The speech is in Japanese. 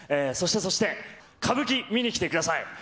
そしてそして、歌舞伎、見に来てください。